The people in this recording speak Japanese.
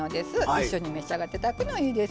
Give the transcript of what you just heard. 一緒に召し上がって頂くのがいいです。